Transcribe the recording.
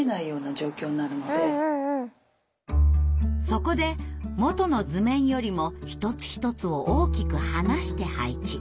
そこで元の図面よりも一つ一つを大きく離して配置。